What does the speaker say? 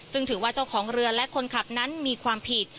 ซึ่งถือว่าเจ้าของเรือและคนขับนั้นมีความผิด